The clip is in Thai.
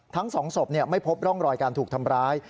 ทั้ง๒ศพไม่พบร่องรอยการถูกทำร้าย